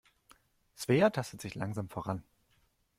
Svea tastet sich langsam voran.